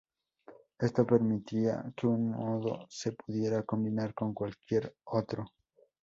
Esto permitía que un modo se pudiera combinar con cualquier otro.